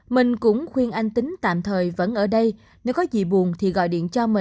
mình cũng khuyên anh tính tạm thời vẫn ở đây nếu có gì buồn thì gọi điện thoại